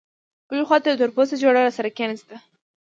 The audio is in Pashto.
بلې خوا ته یوه تورپوستې جوړه راسره کېناسته.